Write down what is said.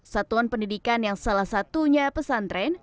satuan pendidikan yang salah satunya pesantren